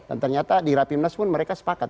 dan ternyata di rapimnas pun mereka sepakat